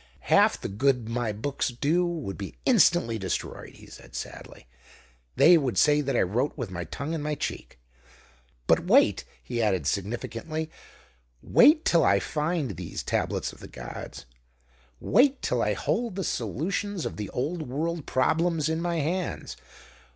"Half the good my books do would be instantly destroyed," he said sadly; "they would say that I wrote with my tongue in my cheek. But wait," he added significantly; "wait till I find these Tablets of the Gods! Wait till I hold the solutions of the old world problems in my hands!